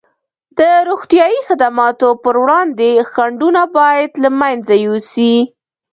د روغتیايي خدماتو پر وړاندې خنډونه باید له منځه یوسي.